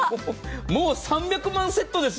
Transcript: もう３００万セットですよ。